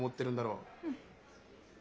うん。